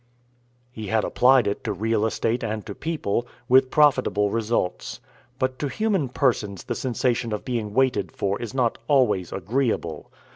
He had applied it to real estate and to people, with profitable results. But to human persons the sensation of being waited for is not always agreeable.